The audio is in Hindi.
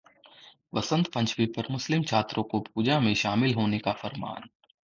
वसंतपंचमी पर मुस्लिम छात्रों को पूजा में शामिल होने का फरमान